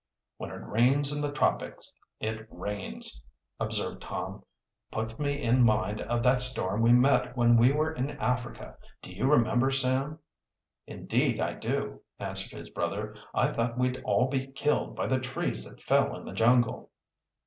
"When it rains in the tropics, it rains," observed Tom. "Puts me in mind of that storm we met when we were in Africa. Do you remember, Sam?" "Indeed, I do," answered his brother. "I thought we'd all be killed by the trees that fell in the jungle."